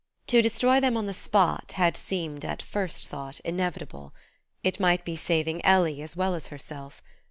To destroy them on the spot had seemed, at first thought, inevitable: it might be saving Ellie as well as herself.